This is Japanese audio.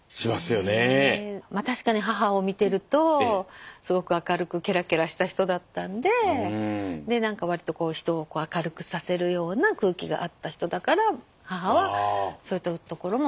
確かに母を見てるとすごく明るくケラケラした人だったんでで何か割と人を明るくさせるような空気があった人だから母はそういったところも。